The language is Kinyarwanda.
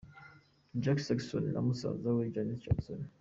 Jacky Jackson musaza wa Janet Jackson